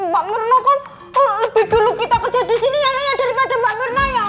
pak mirna kan lebih dulu kita kerja disini ya daripada pak mirna yang kok